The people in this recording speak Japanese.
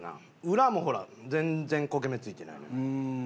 裏もほら全然焦げ目ついてないのよ。